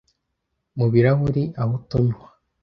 mu birahuri aho tunywa